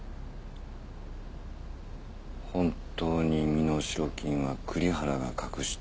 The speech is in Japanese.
本当に身代金は栗原が隠したものか。